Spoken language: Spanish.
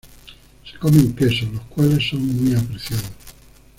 Se comen quesos, los cuales son muy apreciados.